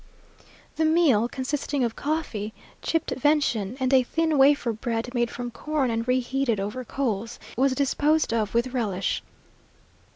The meal, consisting of coffee, chipped venison, and a thin wafer bread made from corn and reheated over coals, was disposed of with relish.